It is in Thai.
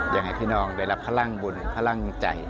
อยากให้พี่น้องได้รับพลังบุญพลังใจ